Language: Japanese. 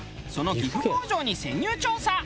その岐阜工場に潜入調査。